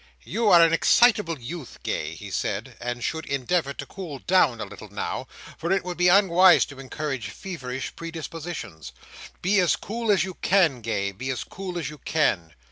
"You are an excitable youth, Gay," he said; "and should endeavour to cool down a little now, for it would be unwise to encourage feverish predispositions. Be as cool as you can, Gay. Be as cool as you can.